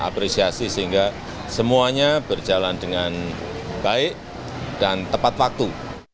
apresiasi sehingga semuanya berjalan dengan baik dan tepat waktu